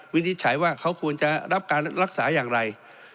วินิจฉัยว่าเขาควรจะรับการรักษาอย่างไร